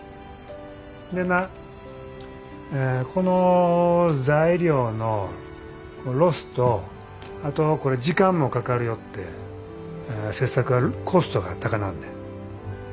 でなこの材料のロスとあとこれ時間もかかるよって切削はコストが高なんねん。